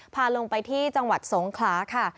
พาลงไปที่จังหวัดสงขลาค่ะ